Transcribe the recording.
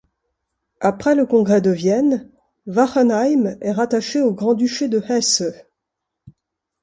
Après le Congrès de Vienne, Wachenheim est rattaché au Grand-duché de Hesse.